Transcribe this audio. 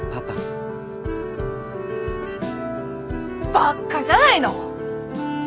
ばっかじゃないの！？